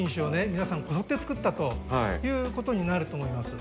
皆さんこぞって作ったということになると思います。